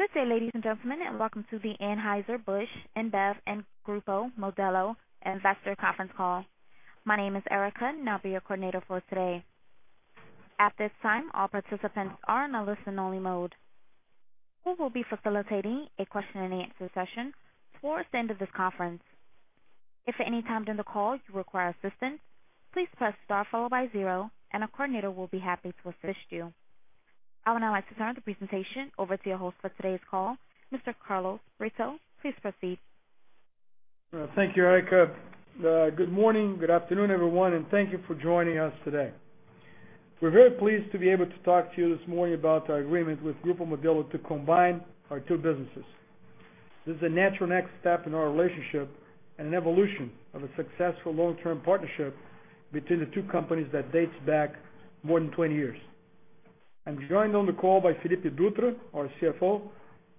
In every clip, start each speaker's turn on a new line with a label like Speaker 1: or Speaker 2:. Speaker 1: Good day, ladies and gentlemen, and welcome to the Anheuser-Busch InBev and Grupo Modelo investor conference call. My name is Erica and I'll be your coordinator for today. At this time, all participants are in a listen-only mode. We will be facilitating a question and answer session towards the end of this conference. If at any time during the call you require assistance, please press star followed by zero, and a coordinator will be happy to assist you. I would now like to turn the presentation over to your host for today's call, Mr. Carlos Brito. Please proceed.
Speaker 2: Thank you, Erica. Good morning, good afternoon, everyone, and thank you for joining us today. We're very pleased to be able to talk to you this morning about our agreement with Grupo Modelo to combine our two businesses. This is a natural next step in our relationship and an evolution of a successful long-term partnership between the two companies that dates back more than 20 years. I'm joined on the call by Felipe Dutra, our CFO.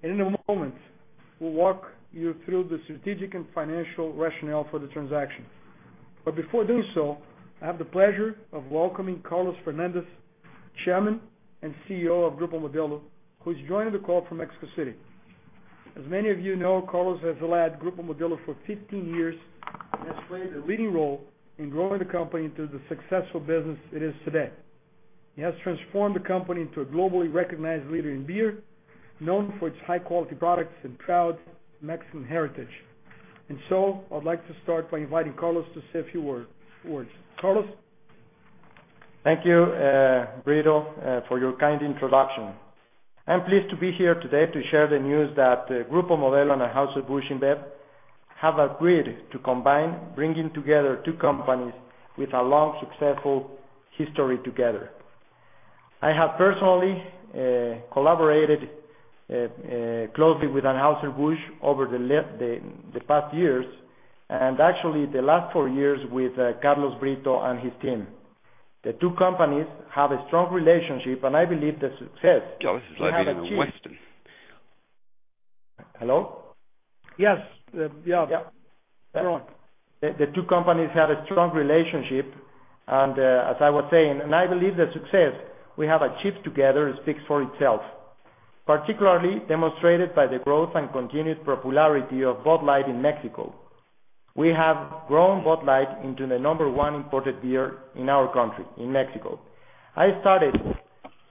Speaker 2: In a moment, we'll walk you through the strategic and financial rationale for the transaction. Before doing so, I have the pleasure of welcoming Carlos Fernandez, Chairman and CEO of Grupo Modelo, who's joining the call from Mexico City. As many of you know, Carlos has led Grupo Modelo for 15 years and has played a leading role in growing the company into the successful business it is today. He has transformed the company into a globally recognized leader in beer, known for its high-quality products and proud Mexican heritage. So I'd like to start by inviting Carlos to say a few words. Carlos?
Speaker 3: Thank you, Brito, for your kind introduction. I'm pleased to be here today to share the news that Grupo Modelo and Anheuser-Busch InBev have agreed to combine, bringing together two companies with a long, successful history together. I have personally collaborated closely with Anheuser-Busch over the past years and actually the last four years with Carlos Brito and his team. The two companies have a strong relationship, and I believe the success we have achieved-
Speaker 4: God, this is like being in a western.
Speaker 3: Hello?
Speaker 2: Yes.
Speaker 3: Yeah.
Speaker 2: Go on.
Speaker 3: The two companies have a strong relationship, and as I was saying, and I believe the success we have achieved together speaks for itself, particularly demonstrated by the growth and continued popularity of Bud Light in Mexico. We have grown Bud Light into the number one imported beer in our country, in Mexico. I started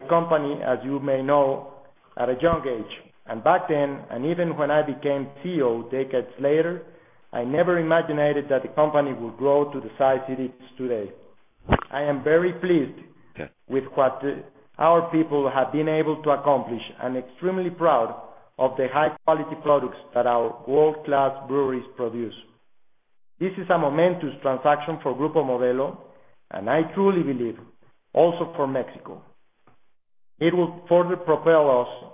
Speaker 3: the company, as you may know, at a young age. Back then, and even when I became CEO decades later, I never imagined that the company would grow to the size it is today. I am very pleased
Speaker 4: Okay
Speaker 3: with what our people have been able to accomplish, and extremely proud of the high-quality products that our world-class breweries produce. This is a momentous transaction for Grupo Modelo, and I truly believe also for Mexico. It will further propel us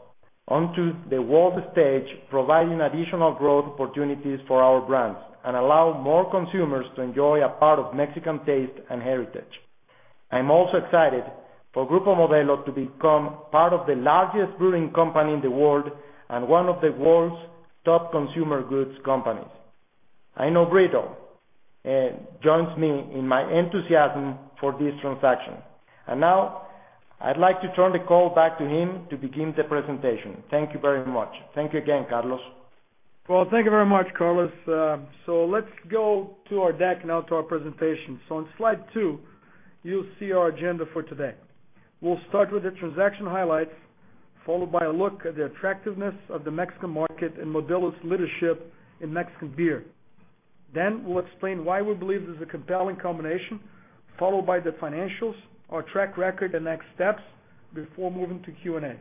Speaker 3: onto the world stage, providing additional growth opportunities for our brands and allow more consumers to enjoy a part of Mexican taste and heritage. I'm also excited for Grupo Modelo to become part of the largest brewing company in the world and one of the world's top consumer goods companies. I know Brito joins me in my enthusiasm for this transaction. Now I'd like to turn the call back to him to begin the presentation. Thank you very much. Thank you again, Carlos.
Speaker 2: Thank you very much, Carlos. Let's go to our deck now to our presentation. On slide two, you'll see our agenda for today. We'll start with the transaction highlights, followed by a look at the attractiveness of the Mexican market and Modelo's leadership in Mexican beer. We'll explain why we believe this is a compelling combination, followed by the financials, our track record, and next steps before moving to Q&A.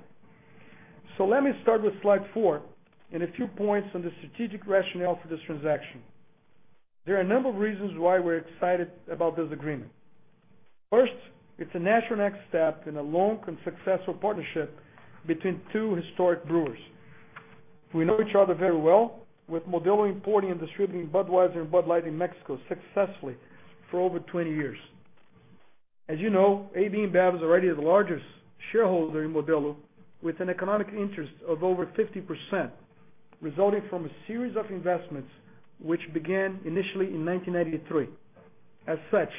Speaker 2: Let me start with slide four and a few points on the strategic rationale for this transaction. There are a number of reasons why we're excited about this agreement. First, it's a natural next step in a long and successful partnership between two historic brewers. We know each other very well, with Modelo importing and distributing Budweiser and Bud Light in Mexico successfully for over 20 years. As you know, AB InBev is already the largest shareholder in Modelo, with an economic interest of over 50%, resulting from a series of investments which began initially in 1993. As such,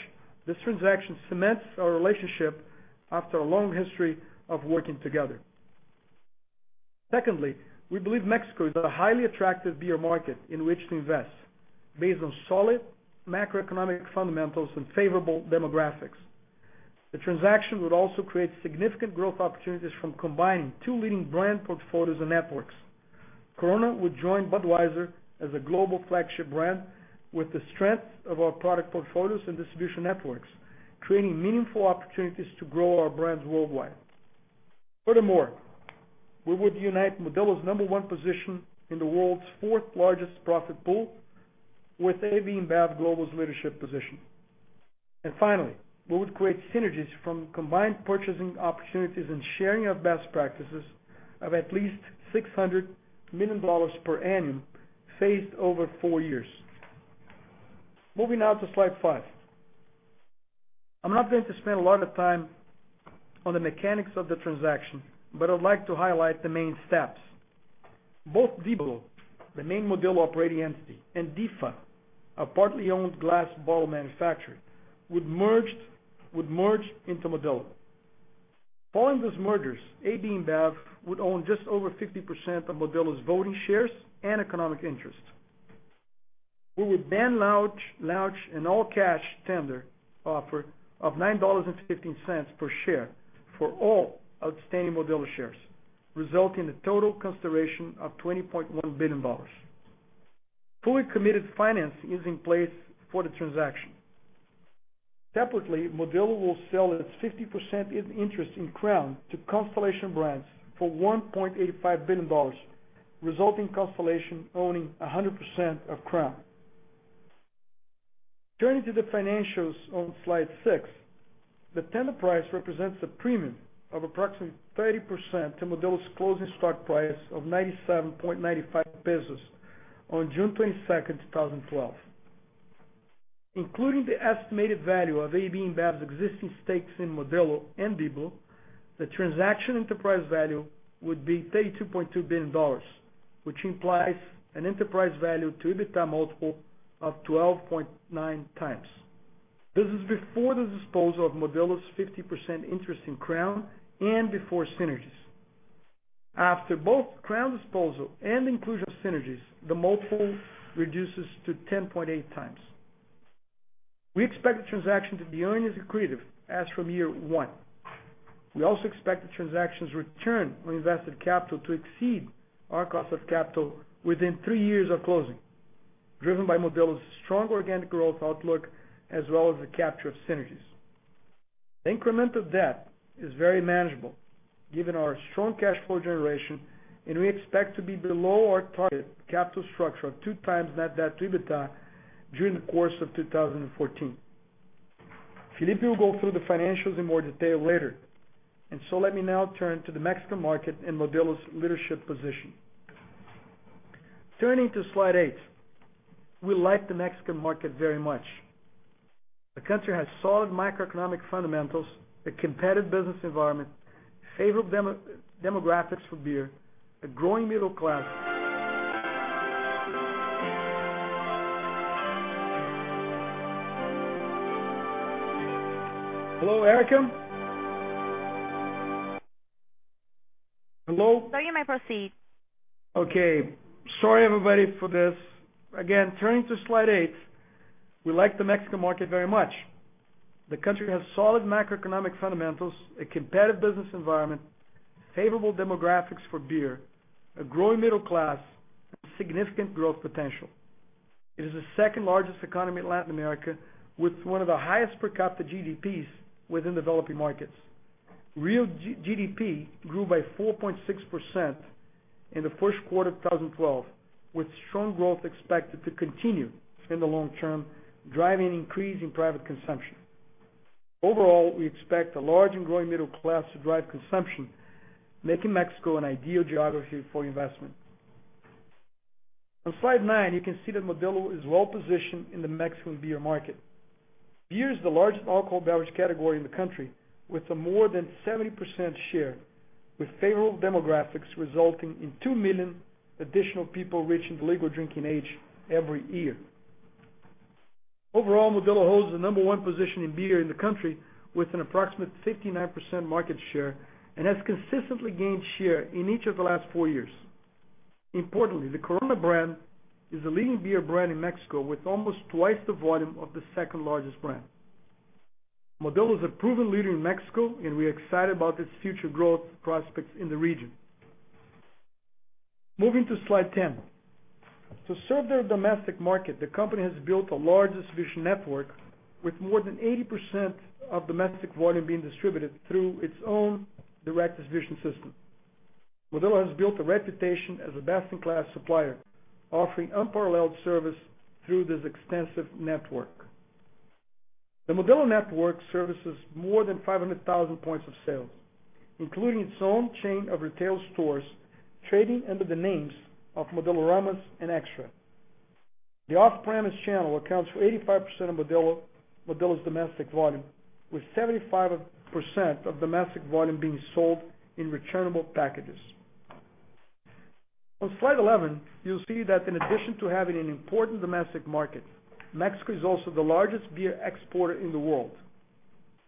Speaker 2: this transaction cements our relationship after a long history of working together. Secondly, we believe Mexico is a highly attractive beer market in which to invest based on solid macroeconomic fundamentals and favorable demographics. The transaction would also create significant growth opportunities from combining two leading brand portfolios and networks. Corona would join Budweiser as a global flagship brand with the strength of our product portfolios and distribution networks, creating meaningful opportunities to grow our brands worldwide. We would unite Modelo's number one position in the world's fourth-largest profit pool with AB InBev global's leadership position. Finally, we would create synergies from combined purchasing opportunities and sharing of best practices of at least $600 million per annum, phased over four years. Moving now to slide five. I'm not going to spend a lot of time on the mechanics of the transaction, but I'd like to highlight the main steps. Both Diblo, the main Modelo operating entity, and DIFA, a partly owned glass bottle manufacturer, would merge into Modelo. Following those mergers, AB InBev would own just over 50% of Modelo's voting shares and economic interest. We would launch an all-cash tender offer of $9.15 per share for all outstanding Modelo shares, resulting in a total consideration of $20.1 billion. Fully committed finance is in place for the transaction. Separately, Modelo will sell its 50% interest in Crown to Constellation Brands for $1.85 billion, resulting in Constellation owning 100% of Crown. Turning to the financials on slide six, the tender price represents a premium of approximately 30% to Modelo's closing stock price of 97.95 pesos on June 22nd, 2012. Including the estimated value of AB InBev's existing stakes in Modelo and Diblo, the transaction enterprise value would be $32.2 billion, which implies an enterprise value to EBITDA multiple of 12.9 times. This is before the disposal of Modelo's 50% interest in Crown and before synergies. After both Crown disposal and inclusion of synergies, the multiple reduces to 10.8 times. We expect the transaction to be earning accretive as from year one. We also expect the transaction's return on invested capital to exceed our cost of capital within three years of closing, driven by Modelo's strong organic growth outlook, as well as the capture of synergies. Incremental debt is very manageable given our strong cash flow generation. We expect to be below our target capital structure of two times net debt to EBITDA during the course of 2014. Felipe will go through the financials in more detail later. Let me now turn to the Mexican market and Modelo's leadership position. Turning to slide eight, we like the Mexican market very much. The country has solid macroeconomic fundamentals, a competitive business environment, favorable demographics for beer, a growing middle class. Hello, Erica? Hello?
Speaker 1: Sir, you may proceed.
Speaker 2: Okay. Sorry, everybody, for this. Again, turning to slide eight, we like the Mexican market very much. The country has solid macroeconomic fundamentals, a competitive business environment, favorable demographics for beer, a growing middle class, and significant growth potential. It is the second-largest economy in Latin America, with one of the highest per capita GDPs within developing markets. Real GDP grew by 4.6% in the first quarter of 2012, with strong growth expected to continue in the long term, driving an increase in private consumption. Overall, we expect a large and growing middle class to drive consumption, making Mexico an ideal geography for investment. On slide nine, you can see that Modelo is well-positioned in the Mexican beer market. Beer is the largest alcohol beverage category in the country, with a more than 70% share, with favorable demographics resulting in two million additional people reaching the legal drinking age every year. Overall, Modelo holds the number one position in beer in the country with an approximate 59% market share and has consistently gained share in each of the last four years. Importantly, the Corona brand is the leading beer brand in Mexico with almost twice the volume of the second-largest brand. Modelo is a proven leader in Mexico, and we're excited about its future growth prospects in the region. Moving to slide 10. To serve their domestic market, the company has built a large distribution network with more than 80% of domestic volume being distributed through its own direct distribution system. Modelo has built a reputation as a best-in-class supplier, offering unparalleled service through this extensive network. The Modelo network services more than 500,000 points of sale, including its own chain of retail stores, trading under the names of Modeloramas and Extra. The off-premise channel accounts for 85% of Modelo's domestic volume, with 75% of domestic volume being sold in returnable packages. On slide 11, you'll see that in addition to having an important domestic market, Mexico is also the largest beer exporter in the world.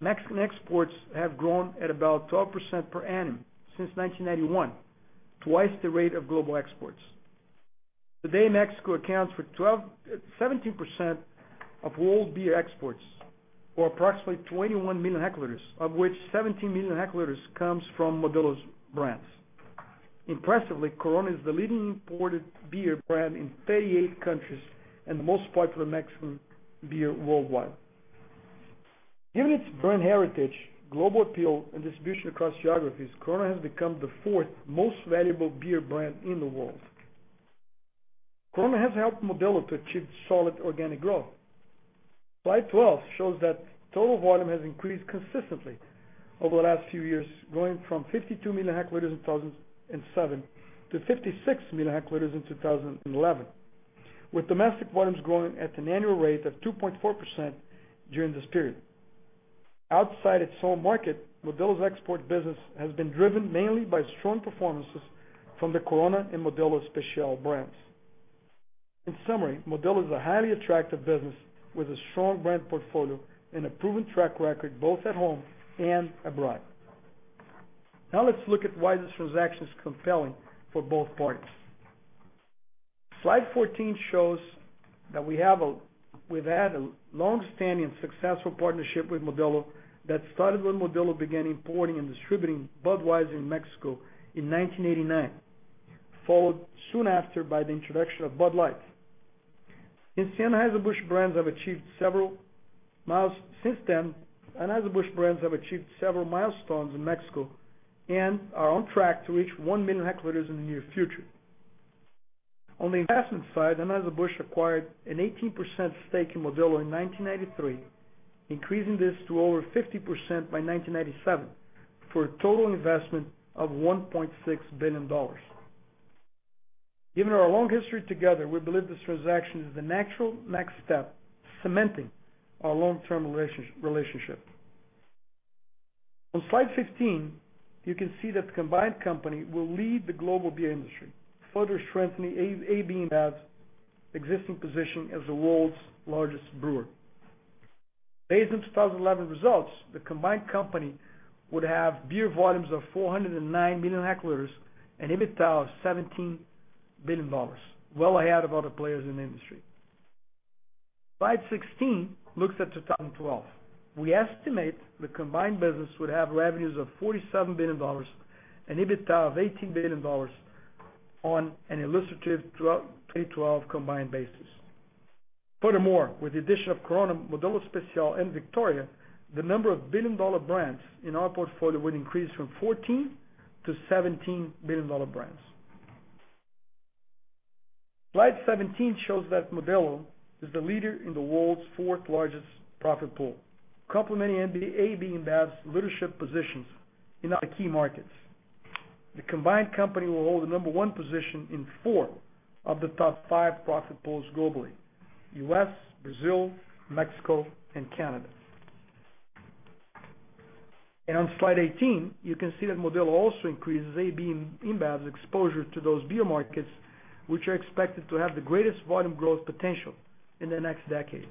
Speaker 2: Mexican exports have grown at about 12% per annum since 1991, twice the rate of global exports. Today, Mexico accounts for 17% of world beer exports or approximately 21 million hectoliters, of which 17 million hectoliters comes from Modelo's brands. Impressively, Corona is the leading imported beer brand in 38 countries and the most popular Mexican beer worldwide. Given its brand heritage, global appeal, and distribution across geographies, Corona has become the fourth most valuable beer brand in the world. Corona has helped Modelo to achieve solid organic growth. Slide 12 shows that total volume has increased consistently over the last few years, going from 52 million hectoliters in 2007 to 56 million hectoliters in 2011, with domestic volumes growing at an annual rate of 2.4% during this period. Outside its home market, Modelo's export business has been driven mainly by strong performances from the Corona and Modelo Especial brands. In summary, Modelo is a highly attractive business with a strong brand portfolio and a proven track record both at home and abroad. Let's look at why this transaction is compelling for both parties. Slide 14 shows that we've had a long-standing and successful partnership with Modelo that started when Modelo began importing and distributing Budweiser in Mexico in 1989, followed soon after by the introduction of Bud Light. Since then, Anheuser-Busch brands have achieved several milestones in Mexico and are on track to reach one million hectoliters in the near future. On the investment side, Anheuser-Busch acquired an 18% stake in Modelo in 1993, increasing this to over 50% by 1997, for a total investment of $1.6 billion. Given our long history together, we believe this transaction is the natural next step, cementing our long-term relationship. On slide 15, you can see that the combined company will lead the global beer industry, further strengthening AB InBev's existing position as the world's largest brewer. Based on 2011 results, the combined company would have beer volumes of 409 million hectoliters and EBITDA of $17 billion, well ahead of other players in the industry. Slide 16 looks at 2012. We estimate the combined business would have revenues of $47 billion and EBITDA of $18 billion on an illustrative 2012 combined basis. Furthermore, with the addition of Corona, Modelo Especial, and Victoria, the number of billion-dollar brands in our portfolio would increase from 14 to 17 billion-dollar brands. Slide 17 shows that Modelo is the leader in the world's fourth-largest profit pool, complementing AB InBev's leadership positions in other key markets. The combined company will hold the number one position in four of the top five profit pools globally: U.S., Brazil, Mexico, and Canada. On slide 18, you can see that Modelo also increases AB InBev's exposure to those beer markets, which are expected to have the greatest volume growth potential in the next decade.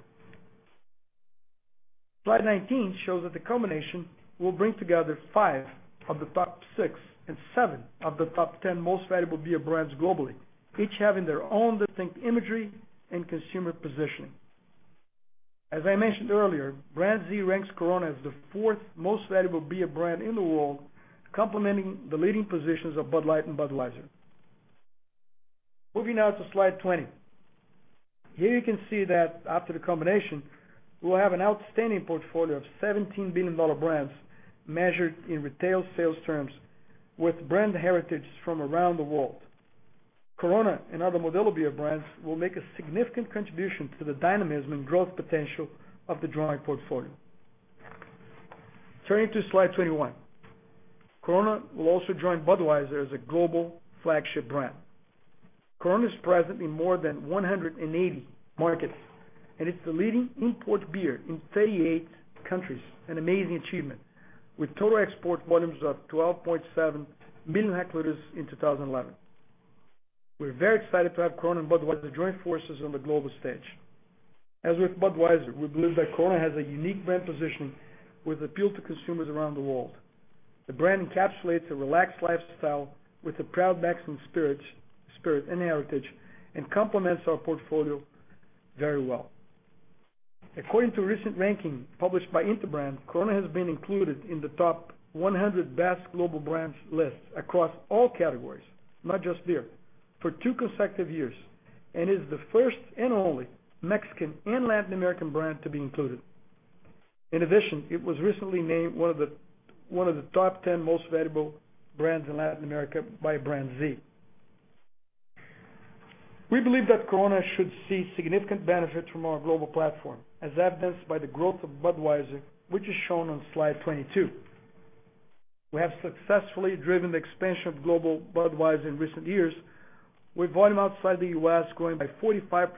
Speaker 2: Slide 19 shows that the combination will bring together five of the top six and seven of the top 10 most valuable beer brands globally, each having their own distinct imagery and consumer positioning. As I mentioned earlier, BrandZ ranks Corona as the fourth most valuable beer brand in the world, complementing the leading positions of Bud Light and Budweiser. Moving now to slide 20. Here you can see that after the combination, we'll have an outstanding portfolio of 17 billion-dollar brands measured in retail sales terms with brand heritage from around the world. Corona and other Modelo beer brands will make a significant contribution to the dynamism and growth potential of the joint portfolio. Turning to slide 21. Corona will also join Budweiser as a global flagship brand. Corona is present in more than 180 markets, and it's the leading import beer in 38 countries, an amazing achievement, with total export volumes of 12.7 million hectoliters in 2011. We're very excited to have Corona and Budweiser join forces on the global stage. As with Budweiser, we believe that Corona has a unique brand position with appeal to consumers around the world. The brand encapsulates a relaxed lifestyle with a proud Mexican spirit and heritage and complements our portfolio very well. According to a recent ranking published by Interbrand, Corona has been included in the top 100 best global brands list across all categories, not just beer, for two consecutive years, and is the first and only Mexican and Latin American brand to be included. In addition, it was recently named one of the top 10 most valuable brands in Latin America by BrandZ. We believe that Corona should see significant benefits from our global platform, as evidenced by the growth of Budweiser, which is shown on slide 22. We have successfully driven the expansion of global Budweiser in recent years, with volume outside the U.S. growing by 45%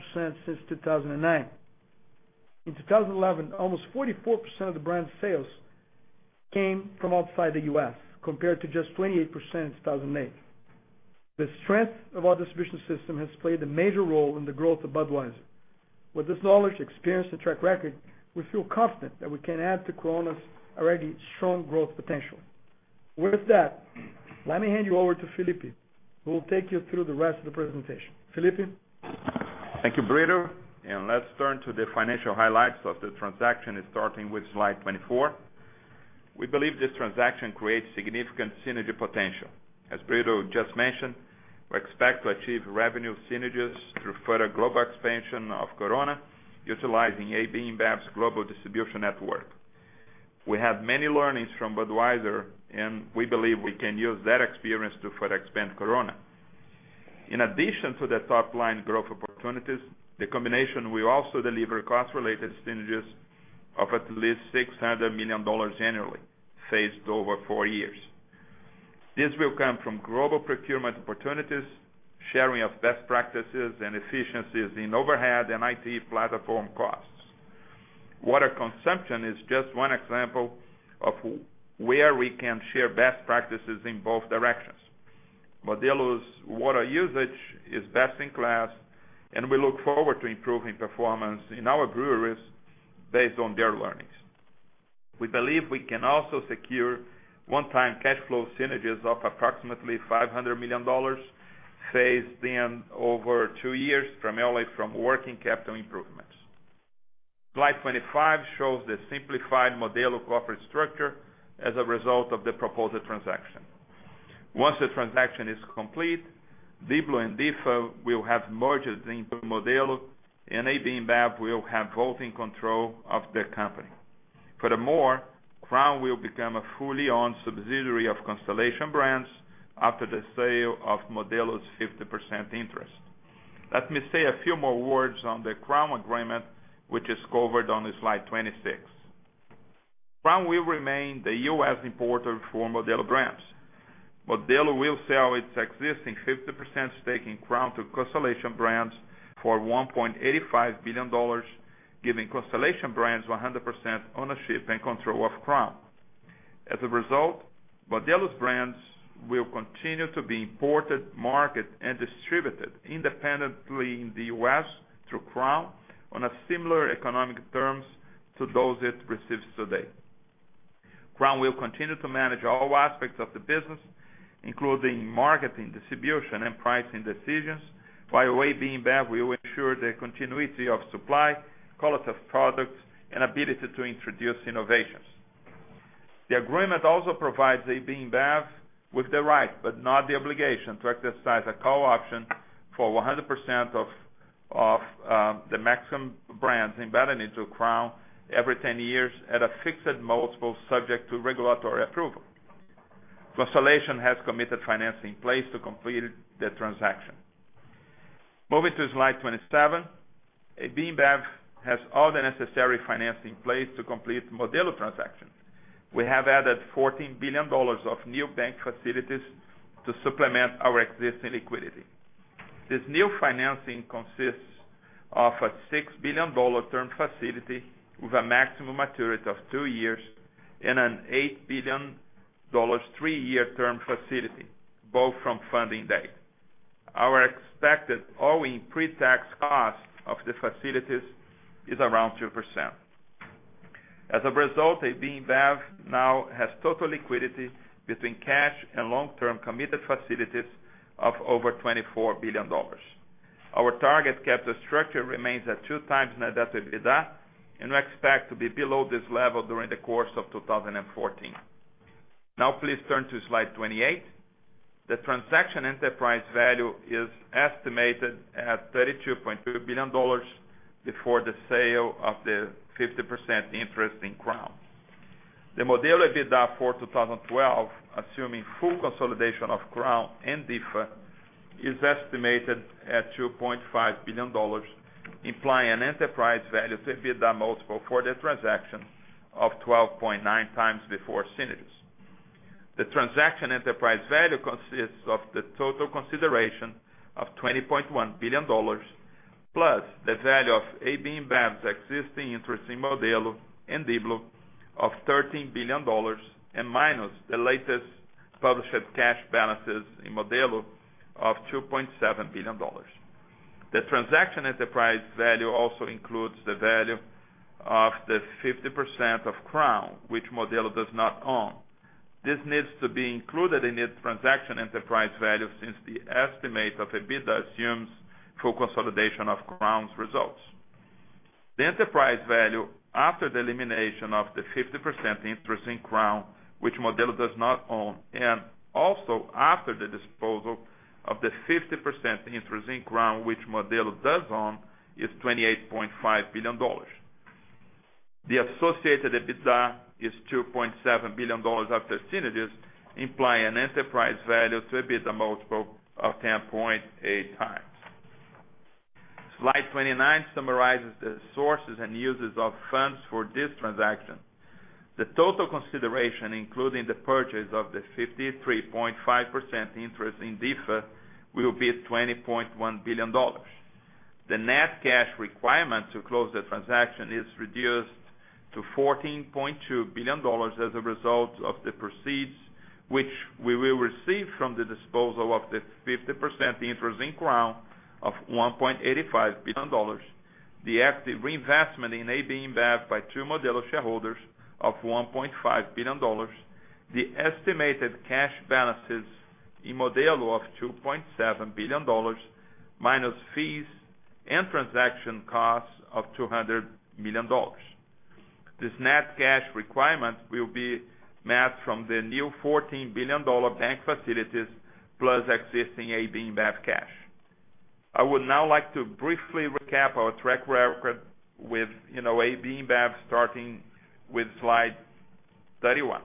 Speaker 2: since 2009. In 2011, almost 44% of the brand's sales came from outside the U.S., compared to just 28% in 2008. The strength of our distribution system has played a major role in the growth of Budweiser. With this knowledge, experience, and track record, we feel confident that we can add to Corona's already strong growth potential. With that, let me hand you over to Felipe, who will take you through the rest of the presentation. Felipe?
Speaker 5: Thank you, Brito. Let's turn to the financial highlights of the transaction, starting with slide 24. We believe this transaction creates significant synergy potential. As Brito just mentioned, we expect to achieve revenue synergies through further global expansion of Corona utilizing AB InBev's global distribution network. We have many learnings from Budweiser, and we believe we can use that experience to further expand Corona. In addition to the top-line growth opportunities, the combination will also deliver cost-related synergies of at least $600 million annually, phased over four years. This will come from global procurement opportunities, sharing of best practices, and efficiencies in overhead and IT platform costs. Water consumption is just one example of where we can share best practices in both directions. Modelo's water usage is best in class, and we look forward to improving performance in our breweries based on their learnings. We believe we can also secure one-time cash flow synergies of approximately $500 million, phased in over two years, primarily from working capital improvements. Slide 25 shows the simplified Modelo corporate structure as a result of the proposed transaction. Once the transaction is complete, Diblo and DIFA will have merged into Modelo, and AB InBev will have voting control of the company. Furthermore, Crown will become a fully owned subsidiary of Constellation Brands after the sale of Modelo's 50% interest. Let me say a few more words on the Crown agreement, which is covered on slide 26. Crown will remain the U.S. importer for Modelo brands. Modelo will sell its existing 50% stake in Crown to Constellation Brands for $1.85 billion, giving Constellation Brands 100% ownership and control of Crown. As a result, Modelo's brands will continue to be imported, marketed, and distributed independently in the U.S. through Crown on similar economic terms to those it receives today. Crown will continue to manage all aspects of the business, including marketing, distribution, and pricing decisions, while AB InBev will ensure the continuity of supply, quality of products, and ability to introduce innovations. The agreement also provides AB InBev with the right, but not the obligation, to exercise a call option for 100% of the maximum brands embedded into Crown every ten years at a fixed multiple subject to regulatory approval. Constellation has committed financing in place to complete the transaction. Moving to slide 27, AB InBev has all the necessary financing in place to complete Modelo transaction. We have added $14 billion of new bank facilities to supplement our existing liquidity. This new financing consists of a $6 billion term facility with a maximum maturity of two years and an $8 billion three-year term facility, both from funding date. Our expected owing pre-tax cost of the facilities is around 2%. As a result, AB InBev now has total liquidity between cash and long-term committed facilities of over $24 billion. Our target capital structure remains at two times net adjusted EBITDA, and we expect to be below this level during the course of 2014. Now please turn to slide 28. The transaction enterprise value is estimated at $32.2 billion before the sale of the 50% interest in Crown. The Modelo EBITDA for 2012, assuming full consolidation of Crown and DIFA, is estimated at $2.5 billion, implying an enterprise value to EBITDA multiple for the transaction of 12.9 times before synergies. The transaction enterprise value consists of the total consideration of $20.1 billion, plus the value of AB InBev's existing interest in Modelo and Diblo of $13 billion and minus the latest published cash balances in Modelo of $2.7 billion. The transaction enterprise value also includes the value of the 50% of Crown, which Modelo does not own. This needs to be included in its transaction enterprise value, since the estimate of EBITDA assumes full consolidation of Crown's results. The enterprise value after the elimination of the 50% interest in Crown, which Modelo does not own, and also after the disposal of the 50% interest in Crown, which Modelo does own, is $28.5 billion. The associated EBITDA is $2.7 billion after synergies, implying an enterprise value to EBITDA multiple of 10.8 times. Slide 29 summarizes the sources and uses of funds for this transaction. The total consideration, including the purchase of the 53.5% interest in DIFA, will be at $20.1 billion. The net cash requirement to close the transaction is reduced to $14.2 billion as a result of the proceeds, which we will receive from the disposal of the 50% interest in Crown of $1.85 billion, the active reinvestment in AB InBev by two Modelo shareholders of $1.5 billion, the estimated cash balances in Modelo of $2.7 billion, minus fees and transaction costs of $200 million. This net cash requirement will be met from the new $14 billion bank facilities, plus existing AB InBev cash. I would now like to briefly recap our track record with AB InBev, starting with slide 31.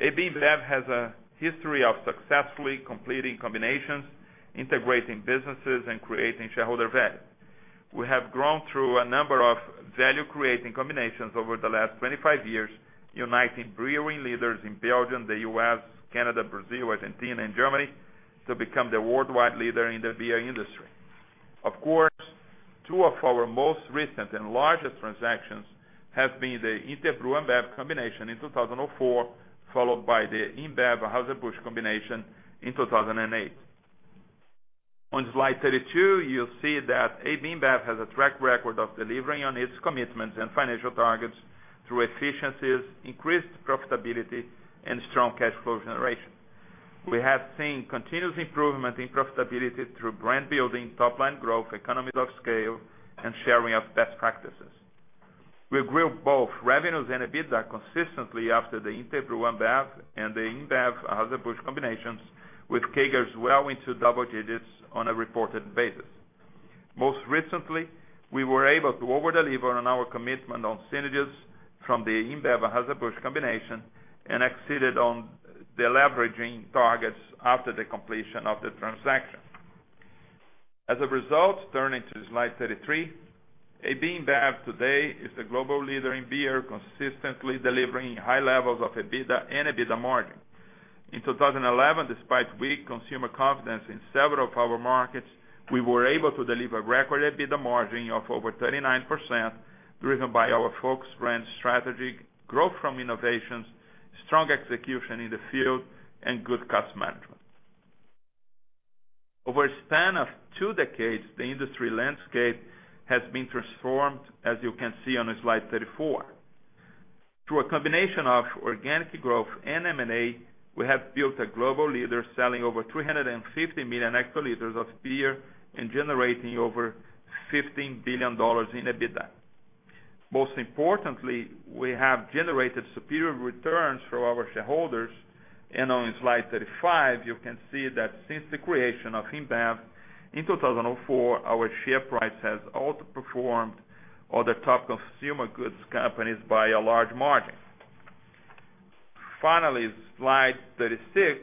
Speaker 5: AB InBev has a history of successfully completing combinations, integrating businesses, and creating shareholder value. We have grown through a number of value-creating combinations over the last 25 years, uniting brewing leaders in Belgium, the U.S., Canada, Brazil, Argentina, and Germany to become the worldwide leader in the beer industry. Of course, two of our most recent and largest transactions have been the Interbrew-AmBev combination in 2004, followed by the InBev-Anheuser-Busch combination in 2008. On slide 32, you'll see that AB InBev has a track record of delivering on its commitments and financial targets through efficiencies, increased profitability, and strong cash flow generation. We have seen continuous improvement in profitability through brand building, top-line growth, economies of scale, and sharing of best practices. We grew both revenues and EBITDA consistently after the Interbrew-AmBev and the InBev-Anheuser-Busch combinations, with CAGRs well into double digits on a reported basis. Most recently, we were able to over-deliver on our commitment on synergies from the InBev-Anheuser-Busch combination and exceeded on the leveraging targets after the completion of the transaction. As a result, turning to slide 33, AB InBev today is the global leader in beer, consistently delivering high levels of EBITDA and EBITDA margin. In 2011, despite weak consumer confidence in several of our markets, we were able to deliver record EBITDA margin of over 39%, driven by our focused brand strategy, growth from innovations, strong execution in the field, and good cost management. Over a span of two decades, the industry landscape has been transformed, as you can see on slide 34. Through a combination of organic growth and M&A, we have built a global leader, selling over 350 million hectoliters of beer and generating over $15 billion in EBITDA. Most importantly, we have generated superior returns for our shareholders, on slide 35, you can see that since the creation of InBev in 2004, our share price has outperformed other top consumer goods companies by a large margin. Finally, slide 36.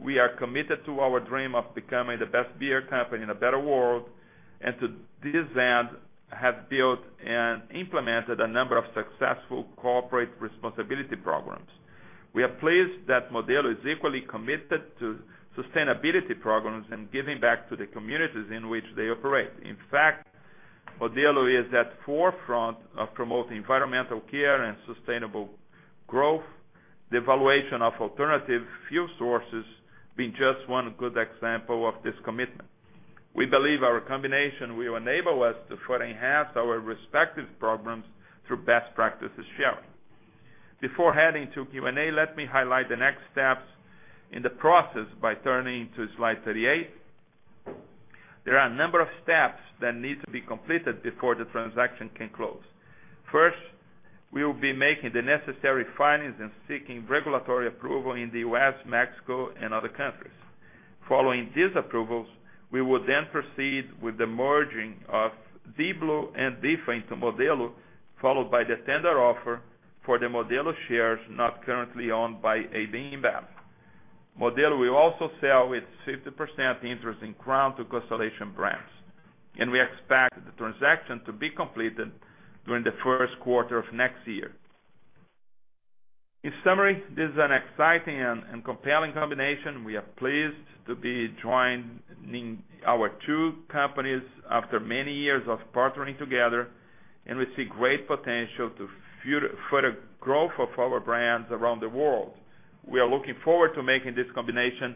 Speaker 5: We are committed to our dream of becoming the best beer company in a better world, to this end, have built and implemented a number of successful corporate responsibility programs. We are pleased that Modelo is equally committed to sustainability programs and giving back to the communities in which they operate. In fact, Modelo is at the forefront of promoting environmental care and sustainable growth. The evaluation of alternative fuel sources being just one good example of this commitment. We believe our combination will enable us to further enhance our respective programs through best practices sharing. Before heading to Q&A, let me highlight the next steps in the process by turning to slide 38. There are a number of steps that need to be completed before the transaction can close. First, we will be making the necessary filings and seeking regulatory approval in the U.S., Mexico, and other countries. Following these approvals, we will then proceed with the merging of Diblo and DIFA into Modelo, followed by the tender offer for the Modelo shares not currently owned by AB InBev. Modelo will also sell its 50% interest in Crown to Constellation Brands, and we expect the transaction to be completed during the first quarter of next year. In summary, this is an exciting and compelling combination. We are pleased to be joining our two companies after many years of partnering together, and we see great potential to further growth of our brands around the world. We are looking forward to making this combination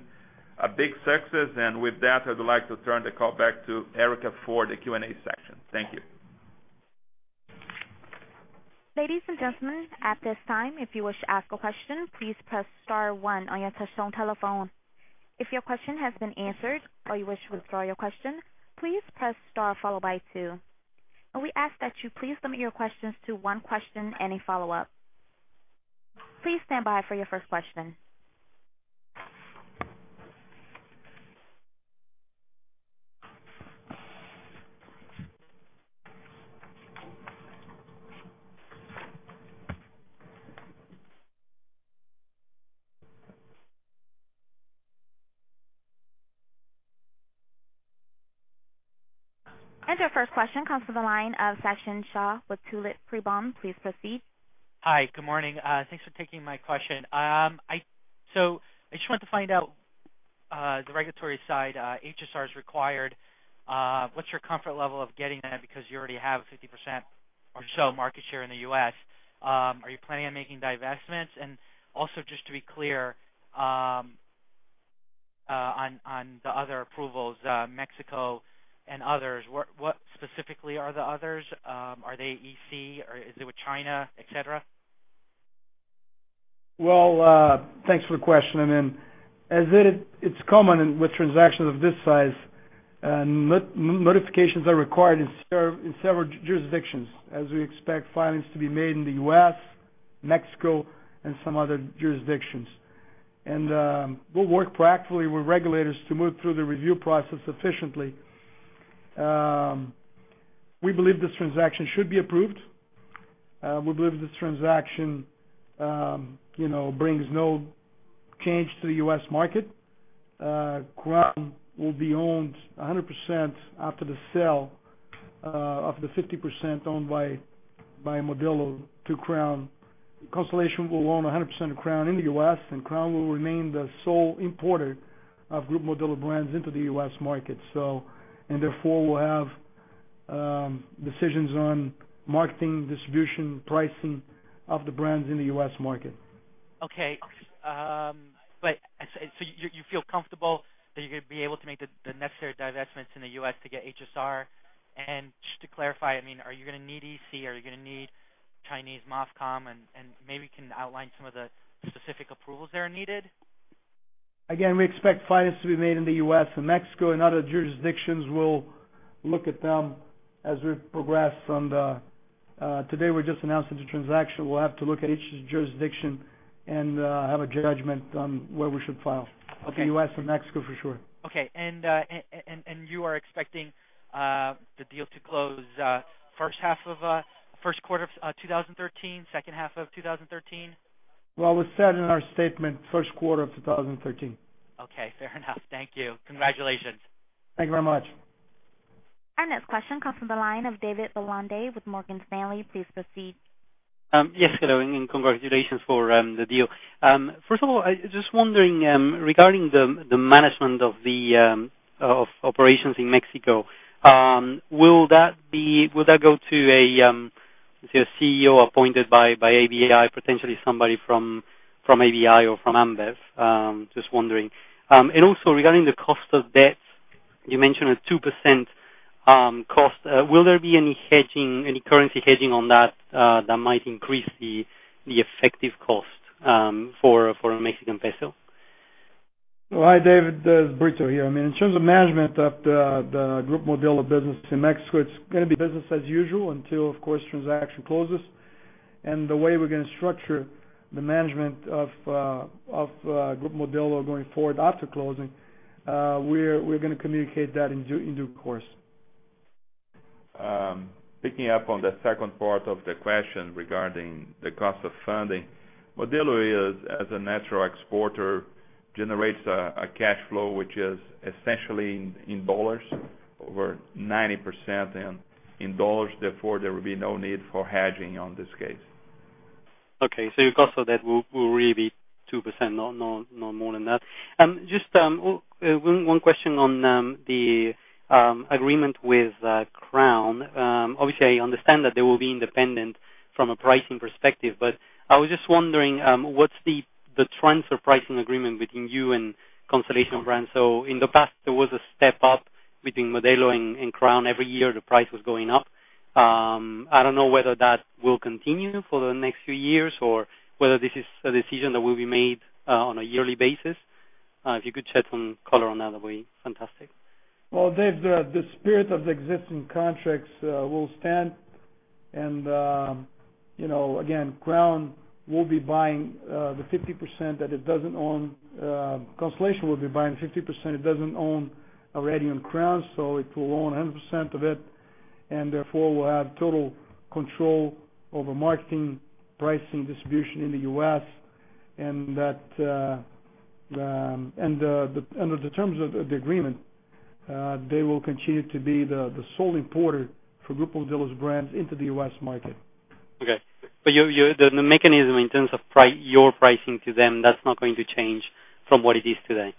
Speaker 5: a big success, and with that, I'd like to turn the call back to Erica for the Q&A section. Thank you.
Speaker 1: Ladies and gentlemen, at this time, if you wish to ask a question, please press *1 on your touchtone telephone. If your question has been answered or you wish to withdraw your question, please press star followed by 2. We ask that you please limit your questions to one question and a follow-up. Please stand by for your first question. Your first question comes from the line of Sachin Shah with Tullett Prebon. Please proceed.
Speaker 6: Hi, good morning. Thanks for taking my question. I just wanted to find out the regulatory side, HSR is required. What's your comfort level of getting that because you already have 50% or so market share in the U.S.? Are you planning on making divestments? Also, just to be clear on the other approvals, Mexico and others, what specifically are the others? Are they EC? Is it with China, et cetera?
Speaker 5: Well, thanks for the question. As it's common with transactions of this size, notifications are required in several jurisdictions, as we expect filings to be made in the U.S., Mexico, and some other jurisdictions. We'll work proactively with regulators to move through the review process efficiently. We believe this transaction should be approved.
Speaker 2: We believe the transaction brings no change to the U.S. market. Crown will be owned 100% after the sale of the 50% owned by Modelo to Crown. Constellation will own 100% of Crown in the U.S., and Crown will remain the sole importer of Grupo Modelo brands into the U.S. market. We'll have decisions on marketing, distribution, pricing of the brands in the U.S. market.
Speaker 6: Okay. You feel comfortable that you're going to be able to make the necessary divestments in the U.S. to get HSR? Just to clarify, are you going to need EC? Are you going to need Chinese MOFCOM? Maybe you can outline some of the specific approvals that are needed.
Speaker 2: Again, we expect filings to be made in the U.S. and Mexico and other jurisdictions. We'll look at them as we progress. Today, we're just announcing the transaction. We'll have to look at each jurisdiction and have a judgment on where we should file.
Speaker 6: Okay.
Speaker 2: The U.S. and Mexico for sure.
Speaker 6: Okay. You are expecting the deal to close first quarter of 2013, second half of 2013?
Speaker 2: Well, it was said in our statement first quarter of 2013.
Speaker 6: Okay, fair enough. Thank you. Congratulations.
Speaker 2: Thank you very much.
Speaker 1: Our next question comes from the line of David Lalonde with Morgan Stanley. Please proceed.
Speaker 7: Yes, hello, and congratulations for the deal. First of all, just wondering regarding the management of operations in Mexico, will that go to a CEO appointed by ABI, potentially somebody from ABI or from AmBev? Just wondering. Regarding the cost of debt, you mentioned a 2% cost. Will there be any currency hedging on that might increase the effective cost for MXN?
Speaker 2: Well, hi, David. It's Brito here. In terms of management of the Grupo Modelo business in Mexico, it's going to be business as usual until, of course, transaction closes. The way we're going to structure the management of Grupo Modelo going forward after closing, we're going to communicate that in due course.
Speaker 5: Picking up on the second part of the question regarding the cost of funding. Modelo, as a natural exporter, generates a cash flow which is essentially in dollars, over 90% in dollars, therefore, there will be no need for hedging on this case.
Speaker 7: Your cost of debt will really be 2%, no more than that. Just one question on the agreement with Crown. Obviously, I understand that they will be independent from a pricing perspective, but I was just wondering what's the trends for pricing agreement between you and Constellation Brands? In the past, there was a step up between Modelo and Crown. Every year, the price was going up. I don't know whether that will continue for the next few years or whether this is a decision that will be made on a yearly basis. If you could shed some color on that'll be fantastic.
Speaker 2: Well, Dave, the spirit of the existing contracts will stand and again, Crown will be buying the 50% that it doesn't own. Constellation will be buying 50% it doesn't own already on Crown, so it will own 100% of it, and therefore will have total control over marketing, pricing, distribution in the U.S. Under the terms of the agreement, they will continue to be the sole importer for Grupo Modelo's brands into the U.S. market.
Speaker 7: The mechanism in terms of your pricing to them, that's not going to change from what it is today?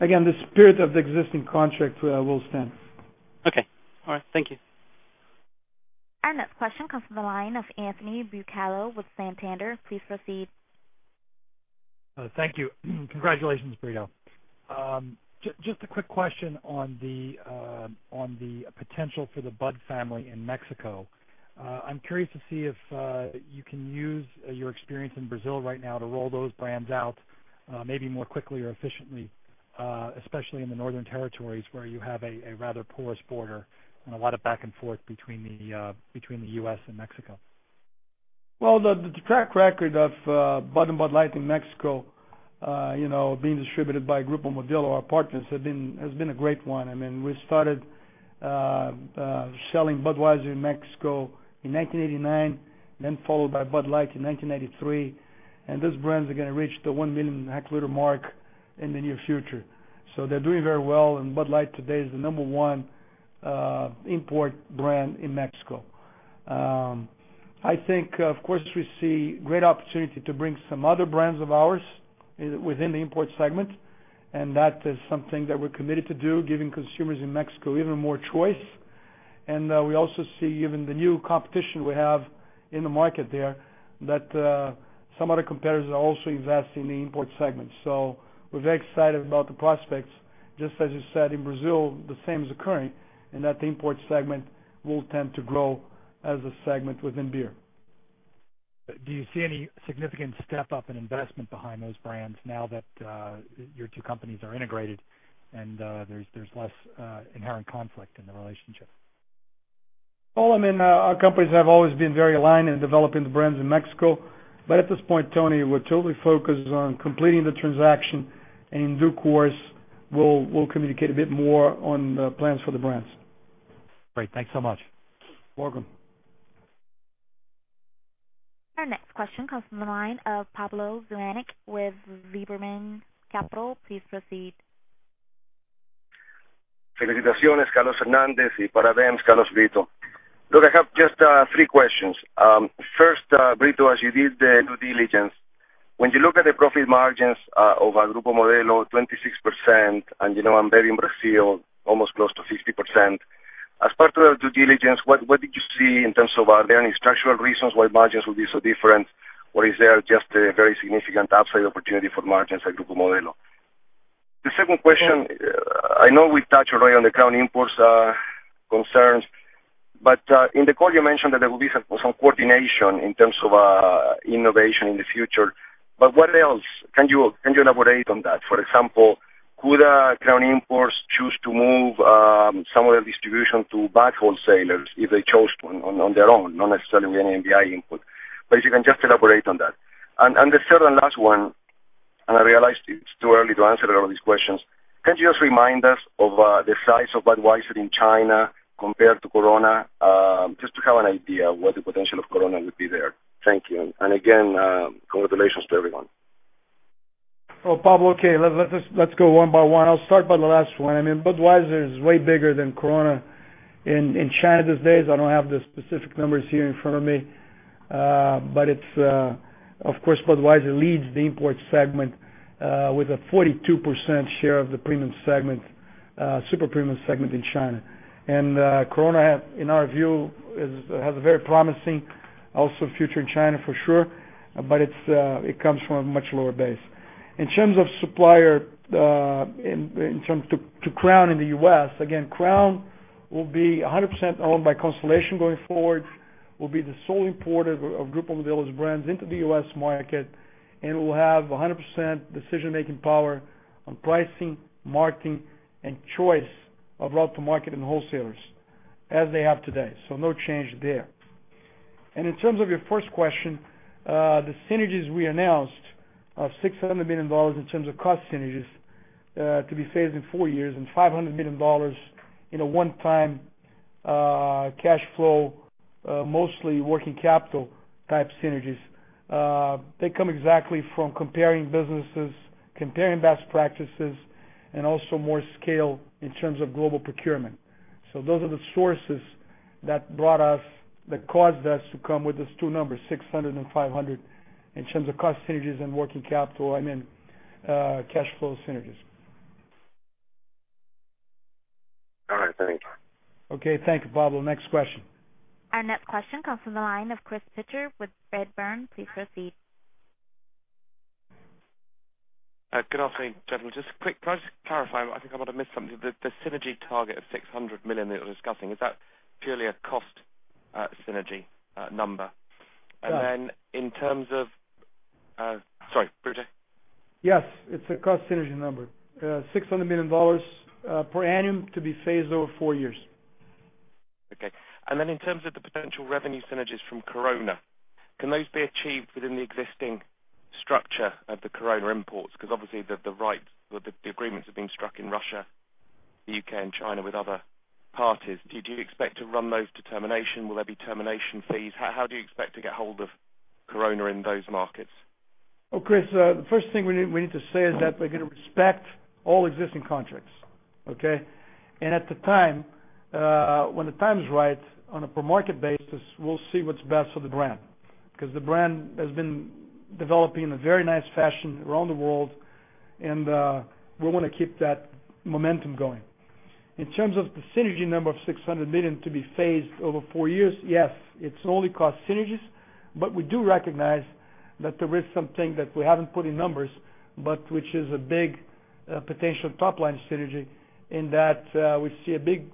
Speaker 2: The spirit of the existing contract will stand.
Speaker 7: Okay. All right. Thank you.
Speaker 1: Our next question comes from the line of Anthony Bucalo with Santander. Please proceed.
Speaker 8: Thank you. Congratulations, Brito. Just a quick question on the potential for the Bud family in Mexico. I am curious to see if you can use your experience in Brazil right now to roll those brands out maybe more quickly or efficiently, especially in the northern territories where you have a rather porous border and a lot of back and forth between the U.S. and Mexico.
Speaker 2: Well, the track record of Bud and Bud Light in Mexico, being distributed by Grupo Modelo, our partners, has been a great one. We started selling Budweiser in Mexico in 1989, then followed by Bud Light in 1993, and those brands are going to reach the 1 million hectoliter mark in the near future. They're doing very well, and Bud Light today is the number 1 import brand in Mexico. I think, of course, we see great opportunity to bring some other brands of ours within the import segment, and that is something that we're committed to do, giving consumers in Mexico even more choice. We also see, given the new competition we have in the market there, that some other competitors are also investing in the import segment. We're very excited about the prospects. Just as you said, in Brazil, the same is occurring, and that the import segment will tend to grow as a segment within beer.
Speaker 8: Do you see any significant step up in investment behind those brands now that your two companies are integrated and there's less inherent conflict in the relationship?
Speaker 2: Well, our companies have always been very aligned in developing the brands in Mexico. At this point, Tony, we're totally focused on completing the transaction and in due course, we'll communicate a bit more on the plans for the brands.
Speaker 8: Great. Thanks so much.
Speaker 2: Welcome.
Speaker 1: Our next question comes from the line of Pablo Zuanic with Liberum Capital. Please proceed.
Speaker 9: I have just three questions. First, Brito, as you did the due diligence, when you look at the profit margins of Grupo Modelo, 26%, and you know AmBev in Brazil, almost close to 50%. As part of the due diligence, what did you see in terms of, are there any structural reasons why margins would be so different, or is there just a very significant upside opportunity for margins at Grupo Modelo? The second question, I know we touched already on the Crown Imports concerns, but in the call you mentioned that there will be some coordination in terms of innovation in the future, what else? Can you elaborate on that? For example, could Crown Imports choose to move some of their distribution to back wholesalers if they chose to on their own, not necessarily with any ABI input. If you can just elaborate on that. The third and last one, I realize it's too early to answer all these questions, can you just remind us of the size of Budweiser in China compared to Corona, just to have an idea what the potential of Corona would be there? Thank you. Again, congratulations to everyone.
Speaker 2: Well, Pablo, okay, let's go one by one. I'll start by the last one. I mean, Budweiser is way bigger than Corona in China these days. I don't have the specific numbers here in front of me. Of course, Budweiser leads the import segment with a 42% share of the premium segment, super premium segment in China. Corona, in our view, has a very promising also future in China for sure, but it comes from a much lower base. In terms of supplier, in terms to Crown in the U.S., again, Crown will be 100% owned by Constellation going forward, will be the sole importer of Grupo Modelo's brands into the U.S. market, and will have 100% decision-making power on pricing, marketing, and choice of route to market and wholesalers as they have today. No change there. In terms of your first question, the synergies we announced of $600 million in terms of cost synergies to be phased in four years, and $500 million in a one-time cash flow, mostly working capital type synergies. They come exactly from comparing businesses, comparing best practices, and also more scale in terms of global procurement. Those are the sources that brought us, that caused us to come with these two numbers, 600 and 500, in terms of cost synergies and working capital, I mean, cash flow synergies.
Speaker 9: All right. Thank you.
Speaker 2: Okay. Thank you, Pablo. Next question.
Speaker 1: Our next question comes from the line of Chris Pitcher with Redburn. Please proceed.
Speaker 10: Good afternoon, gentlemen. Just quick, can I just clarify, I think I might have missed something. The synergy target of $600 million that you're discussing, is that purely a cost synergy number?
Speaker 2: Yeah.
Speaker 10: Sorry, Brito?
Speaker 2: Yes, it's a cost synergy number. $600 million per annum to be phased over four years.
Speaker 10: Okay. Then in terms of the potential revenue synergies from Corona, can those be achieved within the existing structure of the Corona imports? Because obviously the rights or the agreements are being struck in Russia, the U.K., and China with other parties. Do you expect to run those to termination? Will there be termination fees? How do you expect to get hold of Corona in those markets?
Speaker 2: Well, Chris, the first thing we need to say is that we're going to respect all existing contracts. Okay? At the time, when the time is right, on a per market basis, we'll see what's best for the brand. The brand has been developing in a very nice fashion around the world and we want to keep that momentum going. In terms of the synergy number of $600 million to be phased over four years, yes, it's only cost synergies, we do recognize that there is something that we haven't put in numbers, which is a big potential top-line synergy in that we see a big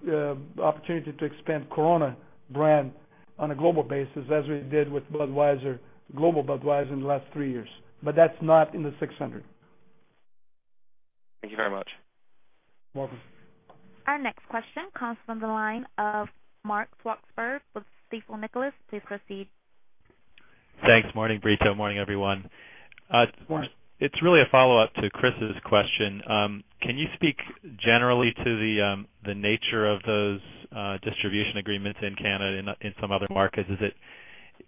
Speaker 2: opportunity to expand Corona brand on a global basis as we did with Budweiser, global Budweiser in the last three years. That's not in the 600.
Speaker 10: Thank you very much.
Speaker 2: Welcome.
Speaker 1: Our next question comes from the line of Mark Swartzberg with Stifel Nicolaus. Please proceed.
Speaker 11: Thanks. Morning, Brito. Morning, everyone.
Speaker 2: Morning.
Speaker 11: It's really a follow-up to Chris's question. Can you speak generally to the nature of those distribution agreements in Canada and in some other markets?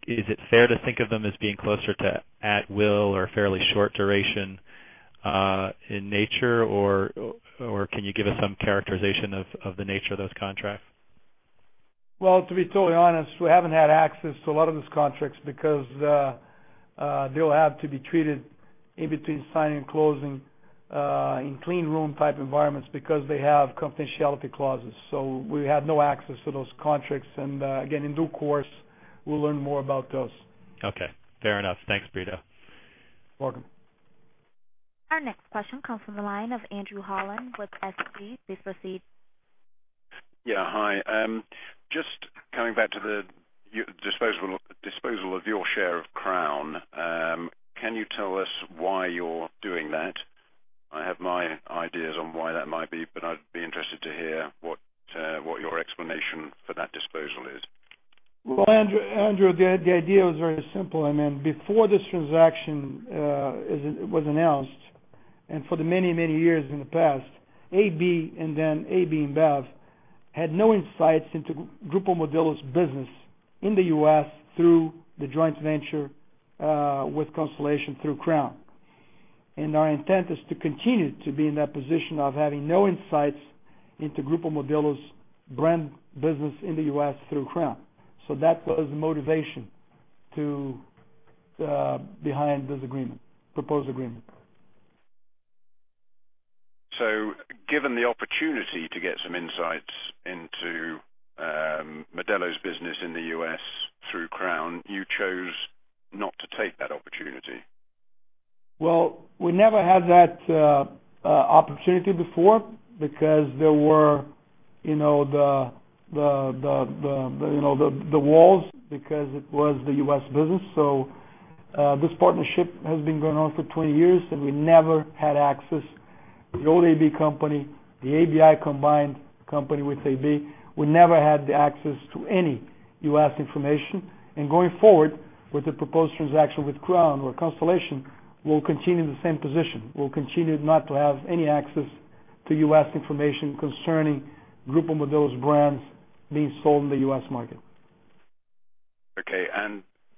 Speaker 11: Is it fair to think of them as being closer to at will or fairly short duration in nature, or can you give us some characterization of the nature of those contracts?
Speaker 2: Well, to be totally honest, we haven't had access to a lot of these contracts because they'll have to be treated in between signing and closing in clean room type environments because they have confidentiality clauses. We have no access to those contracts. Again, in due course, we'll learn more about those.
Speaker 11: Okay. Fair enough. Thanks, Brito.
Speaker 2: Welcome.
Speaker 1: Our next question comes from the line of Andrew Holland with SG. Please proceed.
Speaker 12: Yeah. Hi. Just coming back to the disposal of your share of Crown, can you tell us why you're doing that? I have my ideas on why that might be, but I'd be interested to hear what your explanation for that disposal is.
Speaker 2: Well, Andrew, the idea was very simple. Before this transaction was announced, and for the many, many years in the past, AB and AB InBev had no insights into Grupo Modelo's business in the U.S. through the joint venture, with Constellation through Crown. Our intent is to continue to be in that position of having no insights into Grupo Modelo's brand business in the U.S. through Crown. That was the motivation behind this proposed agreement.
Speaker 12: Given the opportunity to get some insights into Modelo's business in the U.S. through Crown, you chose not to take that opportunity?
Speaker 2: We never had that opportunity before because there were the walls, because it was the U.S. business. This partnership has been going on for 20 years, and we never had access. The old AB company, the ABI combined company with AB, we never had the access to any U.S. information. Going forward with the proposed transaction with Crown or Constellation, we'll continue the same position. We'll continue not to have any access to U.S. information concerning Grupo Modelo's brands being sold in the U.S. market.
Speaker 12: Okay.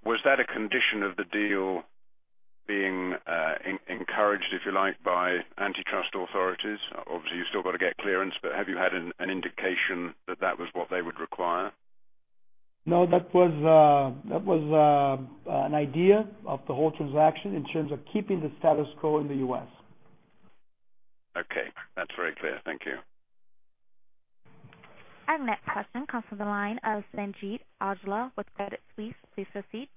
Speaker 12: Was that a condition of the deal being encouraged, if you like, by antitrust authorities? Obviously, you still got to get clearance, but have you had an indication that that was what they would require?
Speaker 2: No, that was an idea of the whole transaction in terms of keeping the status quo in the U.S.
Speaker 12: Okay. That's very clear. Thank you.
Speaker 1: Our next question comes from the line of Sanjeet Aujla with Credit Suisse. Please proceed.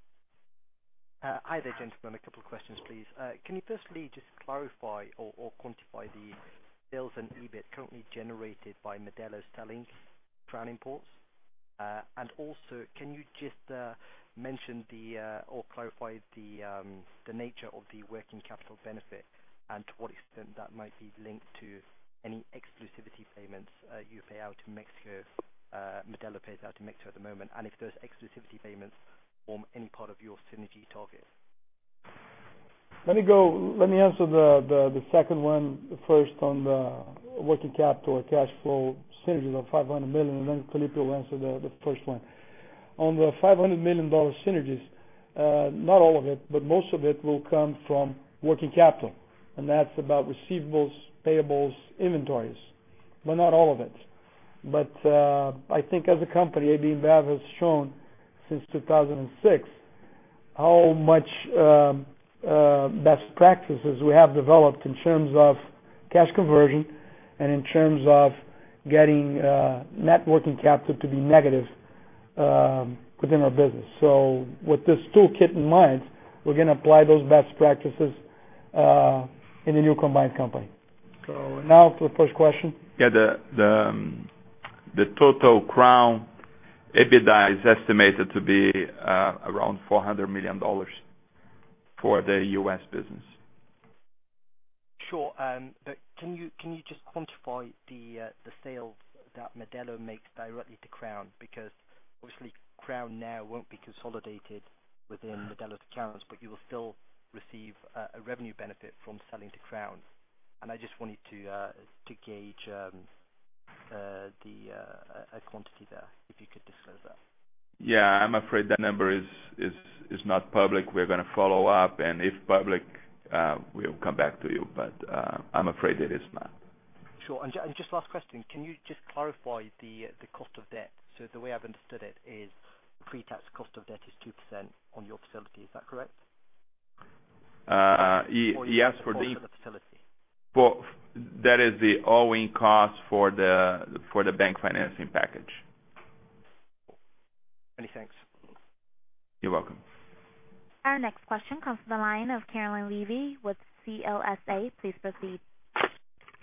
Speaker 13: Hi there, gentlemen. A couple of questions, please. Can you firstly just clarify or quantify the sales and EBIT currently generated by Modelo's selling Crown Imports? Also, can you just mention or clarify the nature of the working capital benefit and to what extent that might be linked to any exclusivity payments you pay out to Mexico, Modelo pays out to Mexico at the moment? If those exclusivity payments form any part of your synergy target.
Speaker 2: Let me answer the second one first on the working capital or cash flow synergies of $500 million. Then Felipe will answer the first one. On the $500 million synergies, not all of it, but most of it will come from working capital, and that's about receivables, payables, inventories. Not all of it. I think as a company, Anheuser-Busch InBev has shown since 2006 how much best practices we have developed in terms of cash conversion and in terms of getting net working capital to be negative within our business. With this toolkit in mind, we're going to apply those best practices in the new combined company. Now to the first question.
Speaker 5: Yeah, the total Crown EBITDA is estimated to be around $400 million for the U.S. business.
Speaker 13: Sure. Can you just quantify the sales that Modelo makes directly to Crown? Because obviously Crown now won't be consolidated within Modelo's accounts, but you will still receive a revenue benefit from selling to Crown, and I just wanted to gauge a quantity there, if you could disclose that.
Speaker 5: Yeah, I'm afraid that number is not public. We're going to follow up, and if public, we'll come back to you. I'm afraid it is not.
Speaker 13: Sure. Just last question. Can you just clarify the cost of debt? The way I've understood it is pre-tax cost of debt is 2% on your facility, is that correct?
Speaker 5: Yes, for the-
Speaker 13: Even the cost of the facility.
Speaker 5: Well, that is the owing cost for the bank financing package.
Speaker 13: Many thanks.
Speaker 5: You're welcome.
Speaker 1: Our next question comes from the line of Caroline Levy with CLSA. Please proceed.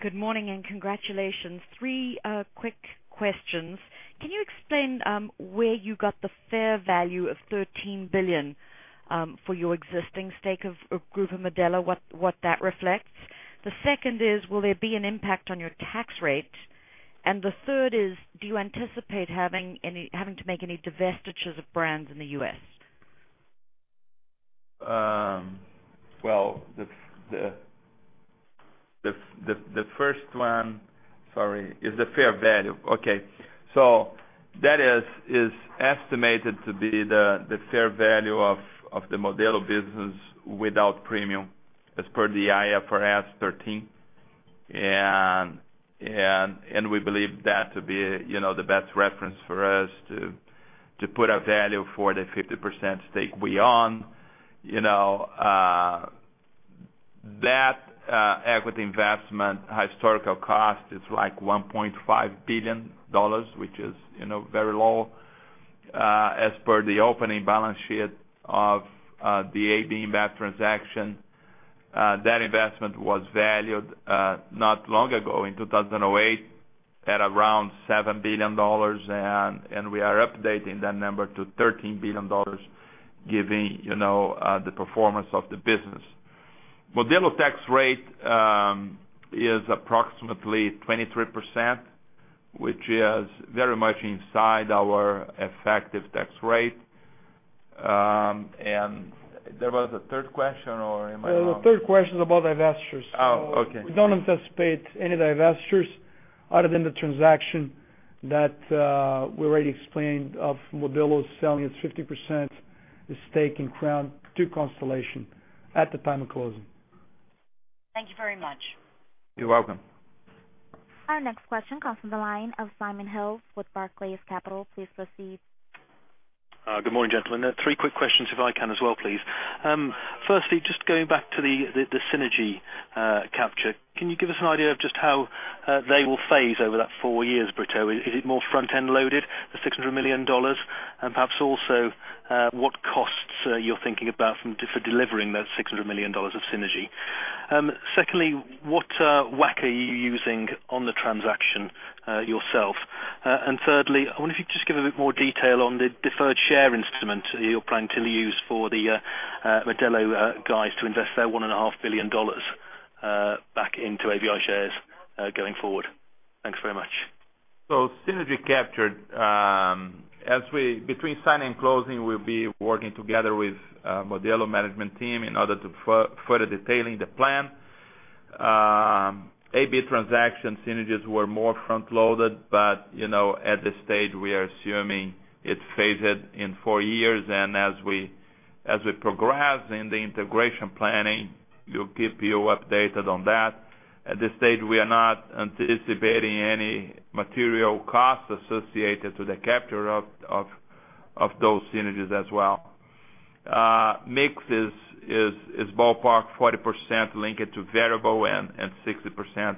Speaker 14: Good morning, and congratulations. Three quick questions. Can you explain where you got the fair value of $13 billion for your existing stake of Grupo Modelo, what that reflects? The second is, will there be an impact on your tax rate? The third is, do you anticipate having to make any divestitures of brands in the U.S.?
Speaker 5: Well, the first one. Sorry. Is the fair value. Okay. That is estimated to be the fair value of the Modelo business without premium as per the IFRS 13. We believe that to be the best reference for us to put a value for the 50% stake we own. That equity investment historical cost is like $1.5 billion, which is very low. As per the opening balance sheet of the Anheuser-Busch InBev transaction, that investment was valued, not long ago, in 2008, at around $7 billion. We are updating that number to $13 billion given the performance of the business. Modelo tax rate is approximately 23%, which is very much inside our effective tax rate. There was a third question, or am I wrong?
Speaker 2: The third question is about divestitures.
Speaker 5: Oh, okay.
Speaker 2: We don't anticipate any divestitures other than the transaction that we already explained of Modelo selling its 50% stake in Crown to Constellation at the time of closing.
Speaker 14: Thank you very much.
Speaker 5: You're welcome.
Speaker 1: Our next question comes from the line of Simon Hales with Barclays Capital. Please proceed.
Speaker 15: Good morning, gentlemen. Three quick questions if I can as well, please. Firstly, just going back to the synergy capture, can you give us an idea of just how they will phase over that four years, Brito? Is it more front-end loaded, the $600 million? Perhaps also, what costs you're thinking about for delivering that $600 million of synergy? Secondly, what WACC are you using on the transaction yourself? Thirdly, I wonder if you could just give a bit more detail on the deferred share instrument you're planning to use for the Modelo guys to invest their $1.5 billion back into ABI shares, going forward. Thanks very much.
Speaker 5: Synergy captured. Between signing and closing, we'll be working together with Modelo management team in order to further detailing the plan. Anheuser-Busch transaction synergies were more front-loaded, but at this stage we are assuming it's phased in four years. As we progress in the integration planning, we'll keep you updated on that. At this stage, we are not anticipating any material costs associated to the capture of those synergies as well. Mix is ballpark 40% linked to variable and 60%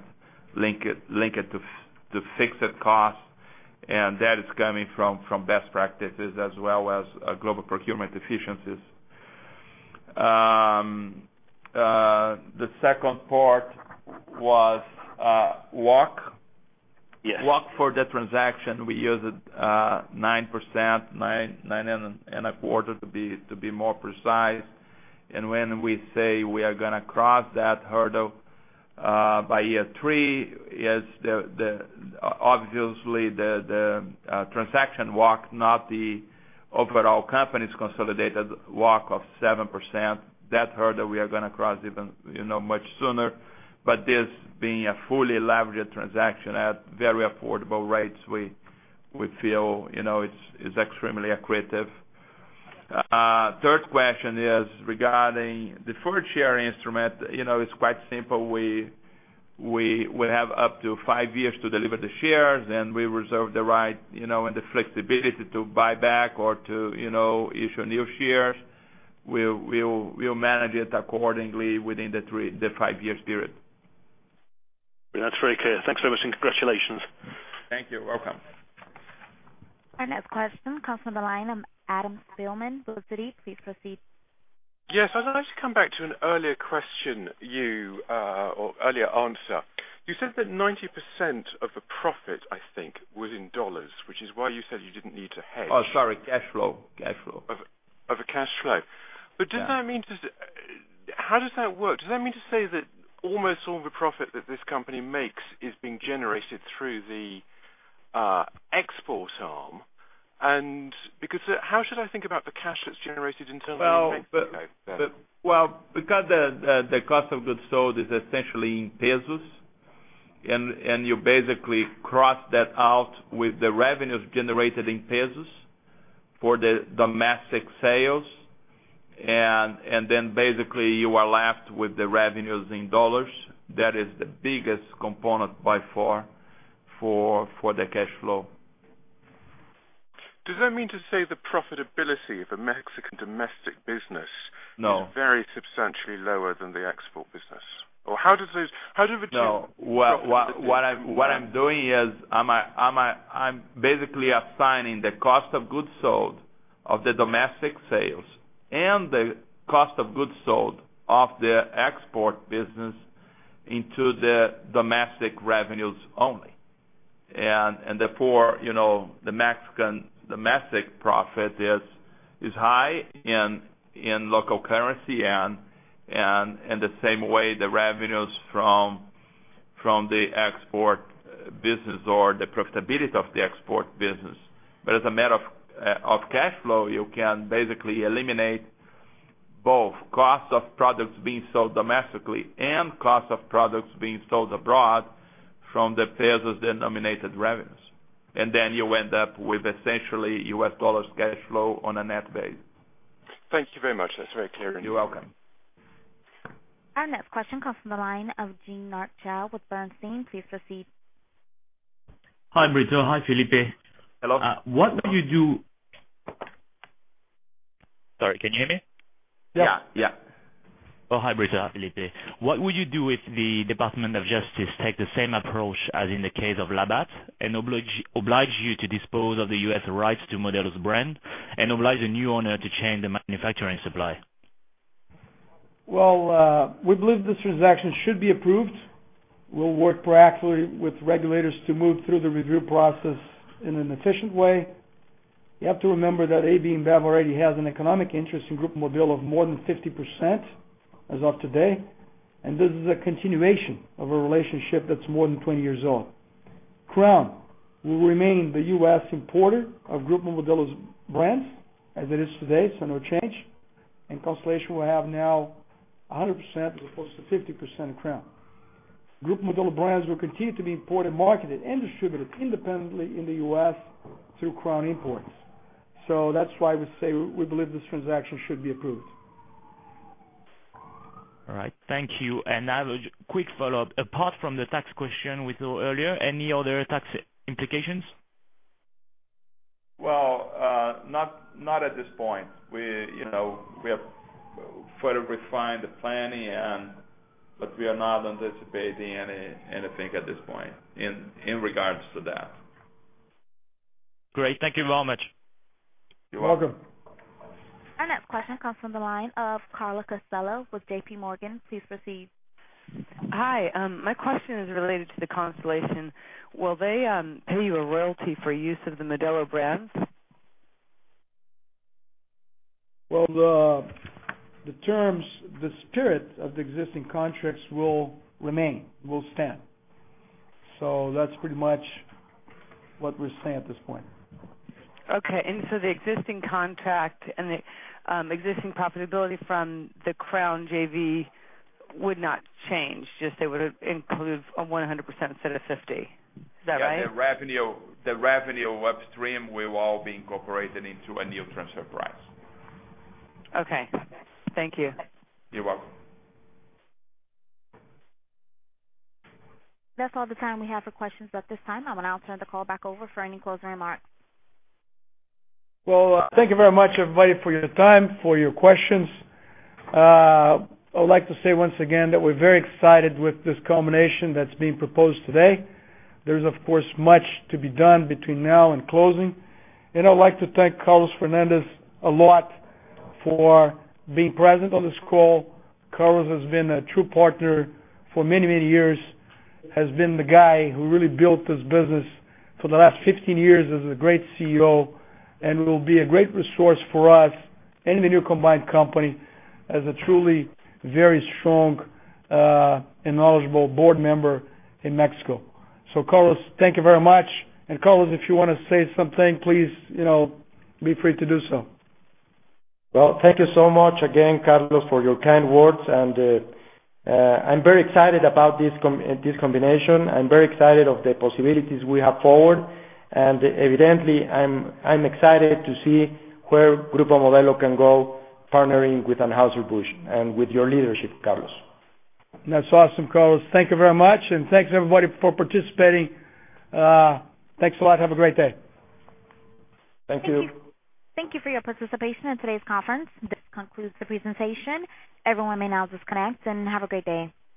Speaker 5: linked to fixed costs, and that is coming from best practices as well as global procurement efficiencies. The second part was WACC?
Speaker 15: Yes.
Speaker 5: WACC for the transaction, we used 9%, 9.25% to be more precise. When we say we are going to cross that hurdle by year three, it's obviously the transaction WACC, not the overall company's consolidated WACC of 7%. That hurdle we are going to cross even much sooner. This being a fully leveraged transaction at very affordable rates, we feel it's extremely accretive. Third question is regarding deferred share instrument. It's quite simple. We have up to five years to deliver the shares, and we reserve the right and the flexibility to buy back or to issue new shares. We'll manage it accordingly within the five years period.
Speaker 15: That's very clear. Thanks very much, and congratulations.
Speaker 5: Thank you. Welcome.
Speaker 1: Our next question comes from the line of Adam Spielman, Citi. Please proceed.
Speaker 16: Yes. I'd like to come back to an earlier answer. You said that 90% of the profit, I think, was in $, which is why you said you didn't need to hedge.
Speaker 5: Sorry. Cash flow.
Speaker 16: Of a cash flow.
Speaker 5: Yeah.
Speaker 16: How does that work? Does that mean to say that almost all the profit that this company makes is being generated through the export arm? How should I think about the cash that's generated internally?
Speaker 5: Well, because the cost of goods sold is essentially in MXN, and you basically cross that out with the revenues generated in MXN for the domestic sales. Then basically you are left with the revenues in $. That is the biggest component by far for the cash flow.
Speaker 16: Does that mean to say the profitability of a Mexican domestic business-
Speaker 5: No
Speaker 16: is very substantially lower than the export business? How do we achieve profitability?
Speaker 5: No. What I'm doing is, I'm basically assigning the cost of goods sold of the domestic sales and the cost of goods sold of the export business into the domestic revenues only. Therefore, the Mexican domestic profit is high in local currency, and the same way the revenues from the export business or the profitability of the export business. As a matter of cash flow, you can basically eliminate both costs of products being sold domestically and costs of products being sold abroad from the pesos-denominated revenues. Then you end up with essentially US dollars cash flow on a net basis.
Speaker 16: Thank you very much. That's very clear.
Speaker 5: You're welcome.
Speaker 1: Our next question comes from the line of Trevor Stirling with Bernstein. Please proceed.
Speaker 17: Hi, Brito. Hi, Felipe.
Speaker 5: Hello.
Speaker 17: Sorry, can you hear me?
Speaker 5: Yeah.
Speaker 2: Yeah.
Speaker 17: Oh, hi, Carlos Brito, Felipe Dutra. What would you do if the Department of Justice take the same approach as in the case of Labatt and oblige you to dispose of the U.S. rights to Modelo's brand and oblige the new owner to change the manufacturing supply?
Speaker 2: Well, we believe this transaction should be approved. We'll work proactively with regulators to move through the review process in an efficient way. You have to remember that AB InBev already has an economic interest in Grupo Modelo of more than 50% as of today, and this is a continuation of a relationship that's more than 20 years old. Crown will remain the U.S. importer of Grupo Modelo's brands as it is today, so no change. Constellation will have now 100% as opposed to 50% of Crown. Grupo Modelo brands will continue to be imported, marketed, and distributed independently in the U.S. through Crown Imports. That's why we say we believe this transaction should be approved.
Speaker 17: All right, thank you. I have a quick follow-up. Apart from the tax question we saw earlier, any other tax implications?
Speaker 3: Well, not at this point. We have further refined the planning, we are not anticipating anything at this point in regards to that.
Speaker 17: Great. Thank you very much.
Speaker 3: You're welcome.
Speaker 1: Our next question comes from the line of Carly Costello with J.P. Morgan. Please proceed.
Speaker 18: Hi. My question is related to the Constellation. Will they pay you a royalty for use of the Modelo brands?
Speaker 2: Well, the terms, the spirit of the existing contracts will remain, will stand. That's pretty much what we're saying at this point.
Speaker 18: Okay. The existing contract and the existing profitability from the Crown JV would not change, just they would include a 100% instead of 50. Is that right?
Speaker 3: Yeah. The revenue upstream will all be incorporated into a new transfer price.
Speaker 18: Okay. Thank you.
Speaker 3: You're welcome.
Speaker 1: That's all the time we have for questions at this time. I'm going to now turn the call back over for any closing remarks.
Speaker 2: Well, thank you very much, everybody, for your time, for your questions. I would like to say once again that we're very excited with this combination that's being proposed today. There's, of course, much to be done between now and closing. I'd like to thank Carlos Fernández a lot for being present on this call. Carlos has been a true partner for many, many years, has been the guy who really built this business for the last 15 years as a great CEO, and will be a great resource for us and the new combined company as a truly very strong and knowledgeable board member in Mexico. Carlos, thank you very much. Carlos, if you want to say something, please feel free to do so.
Speaker 3: Well, thank you so much again, Carlos, for your kind words. I'm very excited about this combination. I'm very excited of the possibilities we have forward. Evidently, I'm excited to see where Grupo Modelo can go partnering with Anheuser-Busch and with your leadership, Carlos.
Speaker 2: That's awesome, Carlos. Thank you very much, and thanks, everybody, for participating. Thanks a lot. Have a great day.
Speaker 3: Thank you.
Speaker 1: Thank you for your participation in today's conference. This concludes the presentation. Everyone may now disconnect, and have a great day.